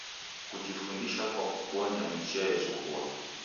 Kujifundisha kwa kubonya, ni chia yezoghua.